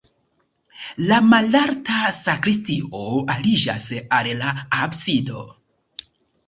La malalta sakristio aliĝas al la absido.